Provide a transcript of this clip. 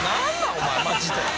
お前マジで。